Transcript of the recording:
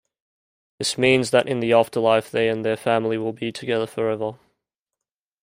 This means that in the afterlife they and their family will be together forever.